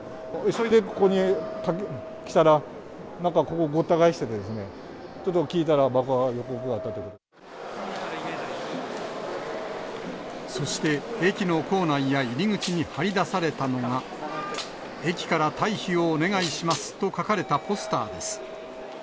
急いでここに来たら、なんか、ここ、ごった返してですね、ちょっと聞いたら、そして駅の構内や入り口に張り出されたのが、駅から退避をお願いしますと書かれたポスターです。